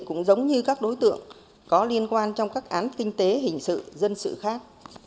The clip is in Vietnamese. cũng giống như các đối tượng có liên quan trong các án kinh tế hình sự dân sự khác